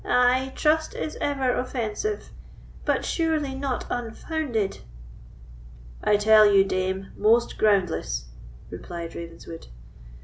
"Ay, trust is ever offensive; but, surely, not unfounded." "I tell you, dame, most groundless," replied Ravenswood.